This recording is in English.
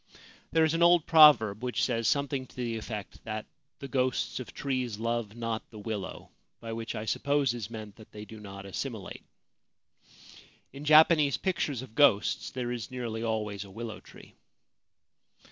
There is an old proverb which says something to the effect that ' the ghosts of trees love not the willow '; by which, I suppose, is meant that they do not assimilate. In Japanese pictures of ghosts there is nearly always a willow tree.